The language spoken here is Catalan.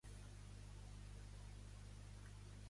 Me'n vaig a Santa Coloma de Marata